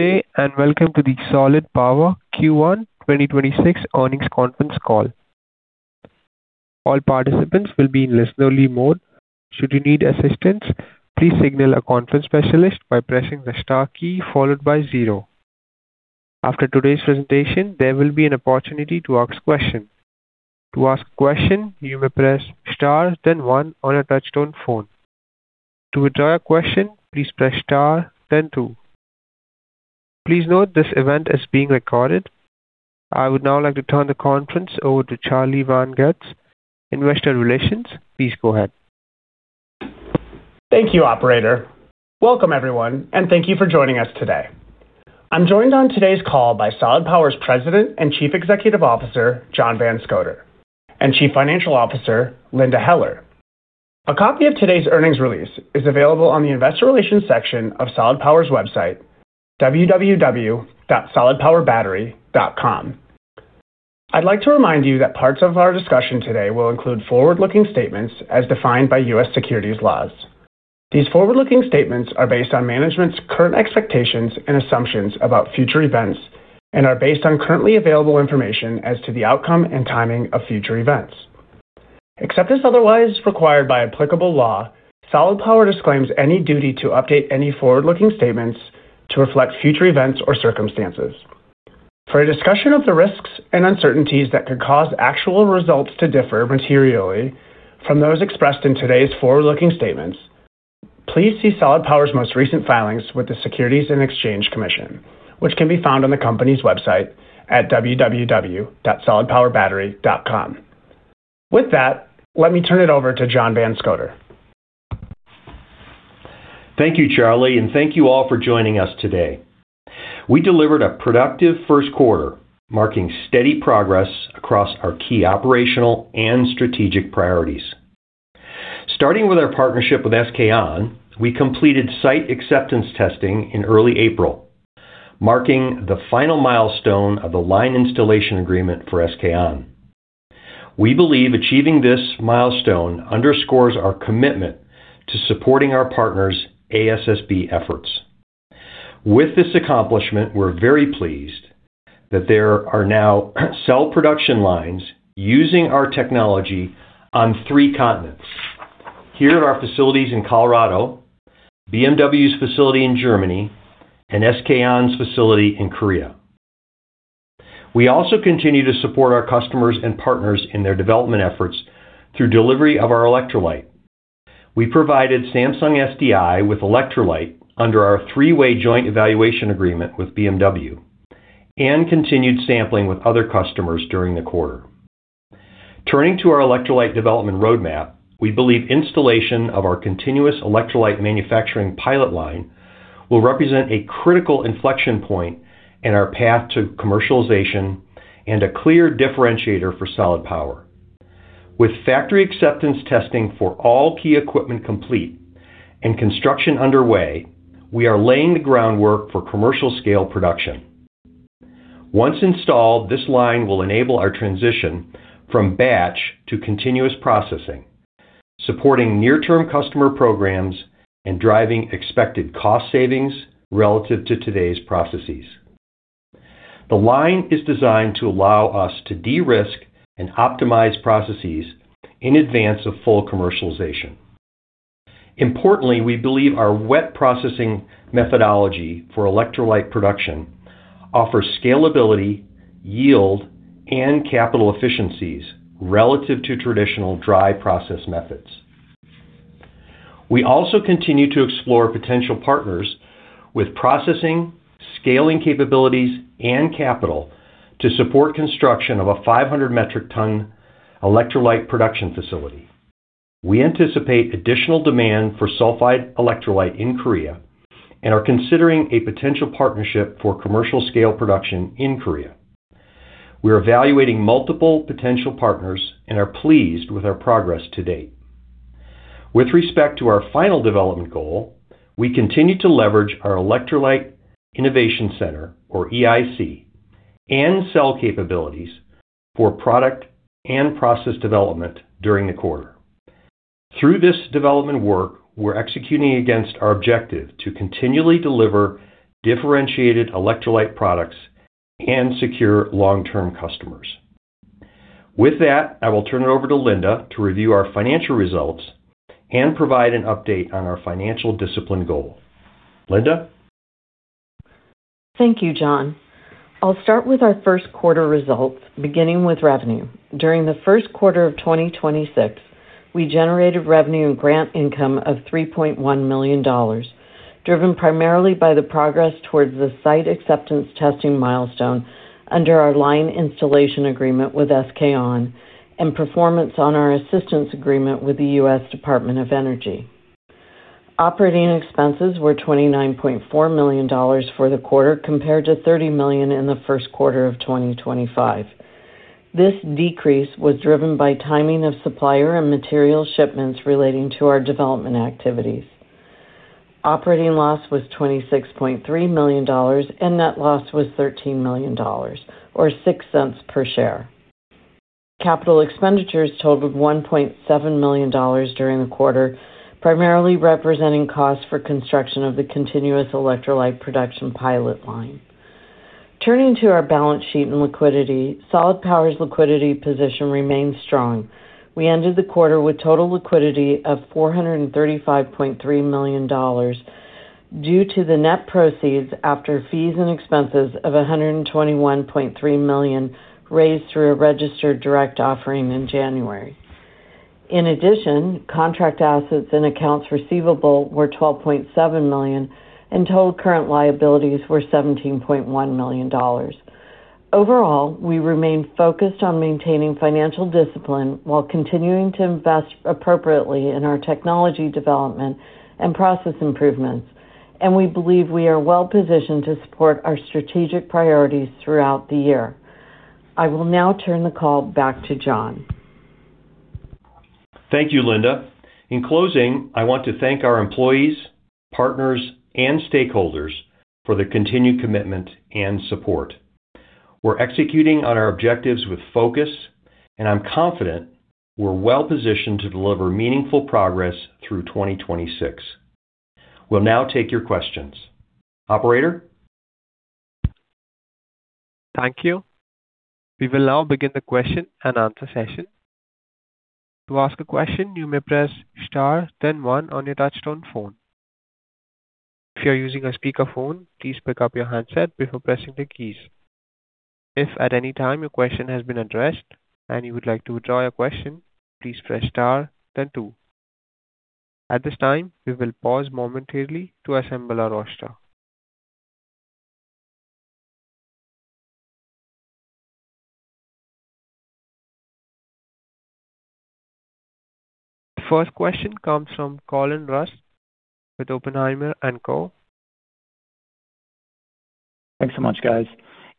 Day, and welcome to the Solid Power Q1 2026 earnings conference call. All participants will be in listen-only mode. After today's presentation, there will be an opportunity to ask questions. Please note this event is being recorded. I would now like to turn the conference over to Charlie Van Gucht, Investor Relations. Please go ahead. Thank you, operator. Welcome, everyone, and thank you for joining us today. I'm joined on today's call by Solid Power's President and Chief Executive Officer, John Van Scoter, and Chief Financial Officer, Linda Heller. A copy of today's earnings release is available on the investor relations section of Solid Power's website, www.solidpowerbattery.com. I'd like to remind you that parts of our discussion today will include forward-looking statements as defined by U.S. securities laws. These forward-looking statements are based on management's current expectations and assumptions about future events and are based on currently available information as to the outcome and timing of future events. Except as otherwise required by applicable law, Solid Power disclaims any duty to update any forward-looking statements to reflect future events or circumstances. For a discussion of the risks and uncertainties that could cause actual results to differ materially from those expressed in today's forward-looking statements, please see Solid Power's most recent filings with the Securities and Exchange Commission, which can be found on the company's website at www.solidpowerbattery.com. With that, let me turn it over to John Van Scoter. Thank you, Charlie, and thank you all for joining us today. We delivered a productive first quarter, marking steady progress across our key operational and strategic priorities. Starting with our partnership with SK On, we completed site acceptance testing in early April, marking the final milestone of the Line Installation Agreement for SK On. We believe achieving this milestone underscores our commitment to supporting our partners' ASSB efforts. With this accomplishment, we're very pleased that there are now cell production lines using our technology on three continents: here at our facilities in Colorado, BMW's facility in Germany, and SK On's facility in Korea. We also continue to support our customers and partners in their development efforts through delivery of our electrolyte. We provided Samsung SDI with electrolyte under our three-way Joint Evaluation Agreement with BMW and continued sampling with other customers during the quarter. Turning to our electrolyte development roadmap, we believe installation of our continuous electrolyte manufacturing pilot line will represent a critical inflection point in our path to commercialization and a clear differentiator for Solid Power. With factory acceptance testing for all key equipment complete and construction underway, we are laying the groundwork for commercial scale production. Once installed, this line will enable our transition from batch to continuous processing, supporting near-term customer programs and driving expected cost savings relative to today's processes. The line is designed to allow us to de-risk and optimize processes in advance of full commercialization. Importantly, we believe our wet processing methodology for electrolyte production offers scalability, yield, and capital efficiencies relative to traditional dry process methods. We also continue to explore potential partners with processing, scaling capabilities, and capital to support construction of a 500 metric ton electrolyte production facility. We anticipate additional demand for sulfide electrolyte in Korea and are considering a potential partnership for commercial scale production in Korea. We are evaluating multiple potential partners and are pleased with our progress to date. With respect to our final development goal, we continue to leverage our Electrolyte Innovation Center, or EIC, and cell capabilities for product and process development during the quarter. Through this development work, we're executing against our objective to continually deliver differentiated electrolyte products and secure long-term customers. With that, I will turn it over to Linda to review our financial results and provide an update on our financial discipline goal. Linda? Thank you, John. I'll start with our first quarter results, beginning with revenue. During the first quarter of 2026, we generated revenue and grant income of $3.1 million, driven primarily by the progress towards the site acceptance testing milestone under our Line Installation Agreement with SK On and performance on our assistance agreement with the U.S. Department of Energy. Operating expenses were $29.4 million for the quarter compared to $30 million in the first quarter of 2025. This decrease was driven by timing of supplier and material shipments relating to our development activities. Operating loss was $26.3 million, and net loss was $13 million, or $0.06 per share. Capital expenditures totaled $1.7 million during the quarter, primarily representing costs for construction of the continuous electrolyte manufacturing pilot line. Turning to our balance sheet and liquidity, Solid Power's liquidity position remains strong. We ended the quarter with total liquidity of $435.3 million due to the net proceeds after fees and expenses of $121.3 million raised through a registered direct offering in January. In addition, contract assets and accounts receivable were $12.7 million, and total current liabilities were $17.1 million. Overall, we remain focused on maintaining financial discipline while continuing to invest appropriately in our technology development and process improvements. We believe we are well-positioned to support our strategic priorities throughout the year. I will now turn the call back to John. Thank you, Linda. In closing, I want to thank our employees, partners, and stakeholders for their continued commitment and support. We're executing on our objectives with focus, and I'm confident we're well-positioned to deliver meaningful progress through 2026. We'll now take your questions. Operator? Thank you. We will now begin the question and answer session. The first question comes from Colin Rusch with Oppenheimer & Co. Thanks so much, guys.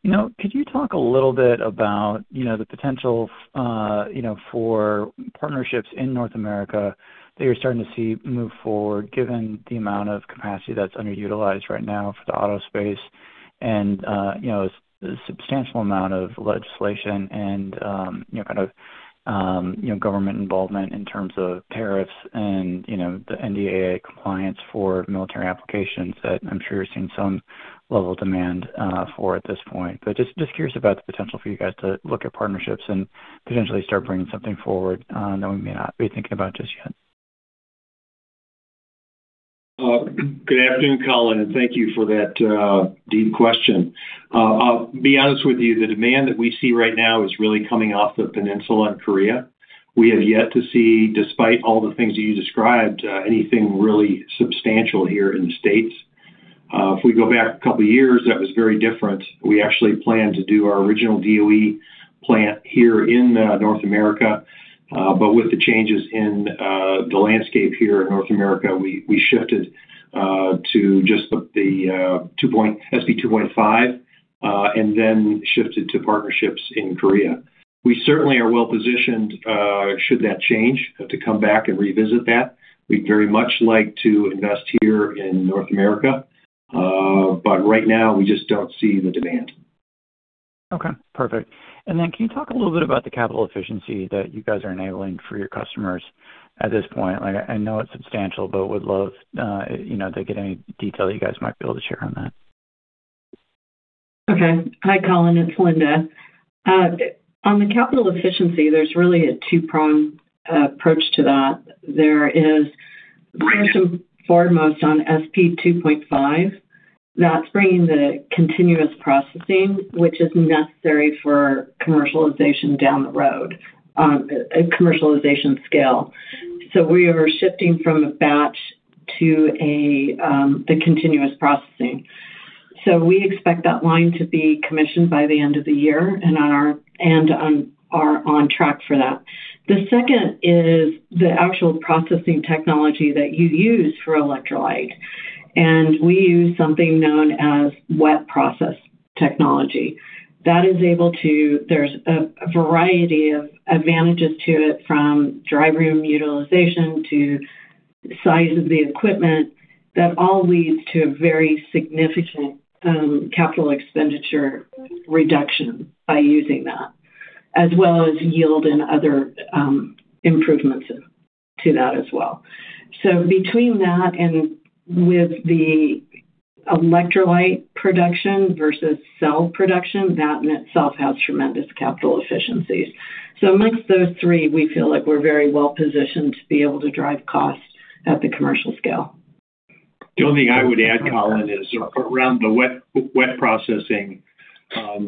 You know, could you talk a little bit about, you know, the potential, you know, for partnerships in North America that you're starting to see move forward, given the amount of capacity that's underutilized right now for the auto space and, you know, a substantial amount of legislation and, you know, kind of, you know, government involvement in terms of tariffs and, you know, the NDAA compliance for military applications that I'm sure you're seeing some level of demand for at this point. Just curious about the potential for you guys to look at partnerships and potentially start bringing something forward that we may not be thinking about just yet. Good afternoon, Colin, thank you for that deep question. I'll be honest with you, the demand that we see right now is really coming off the peninsula in Korea. We have yet to see, despite all the things you described, anything really substantial here in States. If we go back a couple years, that was very different. We actually planned to do our original DOE plant here in North America. With the changes in the landscape here in North America, we shifted to just the SP 2.5, shifted to partnerships in Korea. We certainly are well-positioned, should that change, to come back and revisit that. We'd very much like to invest here in North America. Right now we just don't see the demand. Okay. Perfect. Can you talk a little bit about the capital efficiency that you guys are enabling for your customers at this point? Like, I know it's substantial, but would love, you know, to get any detail you guys might be able to share on that. Hi, Colin. It's Linda. On the capital efficiency, there's really a two-pronged approach to that. There is first and foremost on SP 2.5, that's bringing the continuous processing, which is necessary for commercialization down the road, a commercialization scale. We are shifting from a batch to a continuous processing. We expect that line to be commissioned by the end of the year and on our on track for that. The second is the actual processing technology that you use for electrolyte, and we use something known as wet process technology. There's a variety of advantages to it, from dry room utilization to size of the equipment. That all leads to a very significant capital expenditure reduction by using that, as well as yield and other improvements to that as well. Between that and with the electrolyte production versus cell production, that in itself has tremendous capital efficiencies. Amongst those three, we feel like we're very well-positioned to be able to drive costs at the commercial scale. The only thing I would add, Colin, is around the wet processing,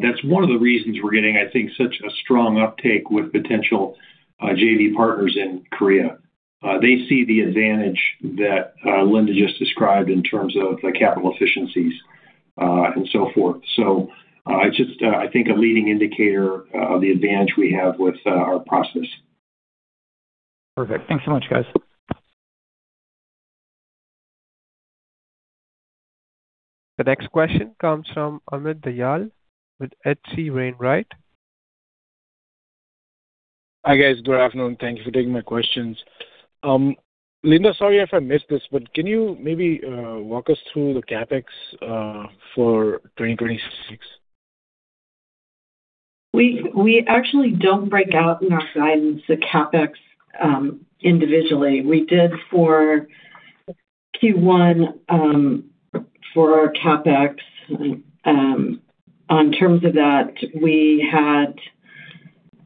that's one of the reasons we're getting, I think, such a strong uptake with potential JV partners in Korea. They see the advantage that Linda just described in terms of the capital efficiencies and so forth. It's just, I think a leading indicator of the advantage we have with our process. Perfect. Thanks so much, guys. The next question comes from Amit Dayal with H.C. Wainwright. Hi, guys. Good afternoon. Thank you for taking my questions. Linda, sorry if I missed this, but can you maybe walk us through the CapEx for 2026? We actually don't break out in our guidance the CapEx individually. We did for Q1 for our CapEx. On terms of that, we had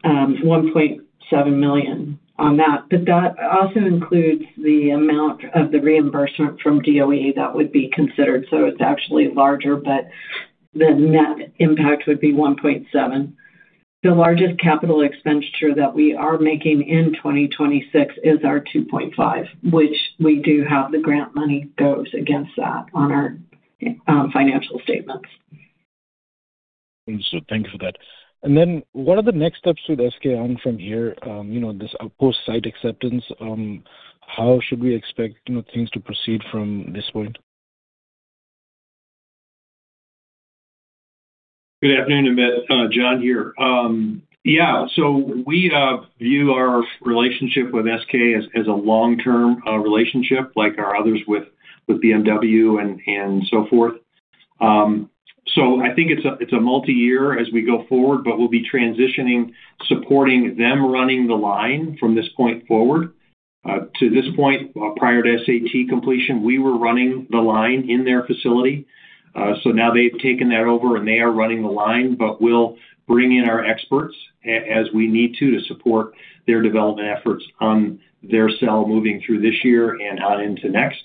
$1.7 million on that. That also includes the amount of the reimbursement from DOE that would be considered. It's actually larger, but the net impact would be $1.7. The largest capital expenditure that we are making in 2026 is our 2.5, which we do have the grant money goes against that on our financial statements. Understood. Thank you for that. What are the next steps with SK On from here, you know, this post site acceptance, how should we expect, you know, things to proceed from this point? Good afternoon, Amit. John here. We view our relationship with SK as a long-term relationship like our others with BMW and so forth. I think it's a multi-year as we go forward, but we'll be transitioning, supporting them running the line from this point forward. To this point, prior to SAT completion, we were running the line in their facility. Now they've taken that over, and they are running the line, but we'll bring in our experts as we need to support their development efforts on their cell moving through this year and out into next,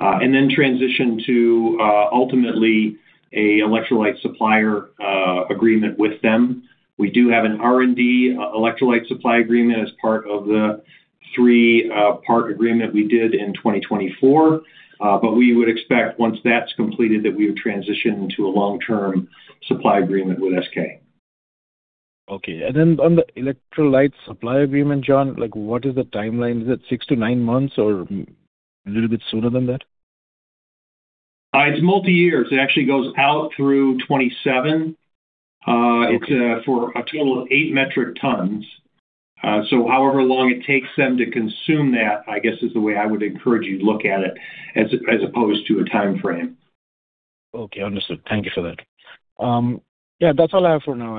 and then transition to ultimately a electrolyte supplier agreement with them. We do have an R&D electrolyte supply agreement as part of the three part agreement we did in 2024. We would expect once that's completed that we would transition to a long-term supply agreement with SK. Okay. On the electrolyte supply agreement, John, like what is the timeline? Is it six to nine months or a little bit sooner than that? It's multi-years. It actually goes out through 27. It's for a total of 8 metric tons. However long it takes them to consume that, I guess, is the way I would encourage you to look at it as opposed to a timeframe. Okay. Understood. Thank you for that. Yeah, that's all I have for now.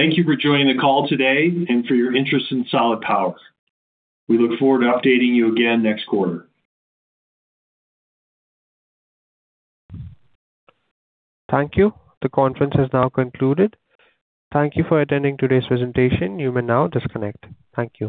Thank you for joining the call today and for your interest in Solid Power. We look forward to updating you again next quarter. Thank you. The conference has now concluded. Thank you for attending today's presentation. You may now disconnect. Thank you.